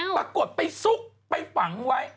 ปรากฏไปซุกไปฝังไว้